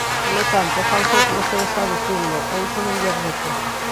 Polo tanto, é falso o que vostede está dicindo, e iso non llo admito.